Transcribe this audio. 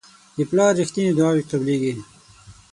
د پلار رښتیني دعاوې قبلیږي.